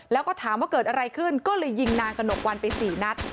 แล้วก็ถามว่าเกิดอะไรขึ้นก็เลยยิงนางกระหนกวันไป๔นัด